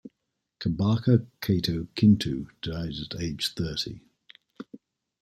Kabaka Kato Kintu died at age thirty.